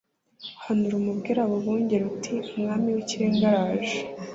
Hanura ubwire abo bungeri uti Umwami w Ikirenga araje